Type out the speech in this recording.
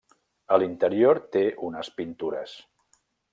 A l'interior té unes pintures.